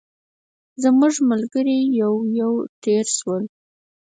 زموږ ملګري یو یو تېر شول.